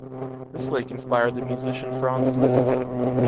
This lake inspired the musician Franz Liszt.